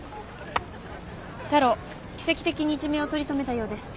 太郎奇跡的に一命を取り留めたようです。